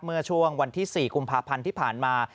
เมื่อช่วงวันที่๔กุมภาพันธ์ที่ผ่านมา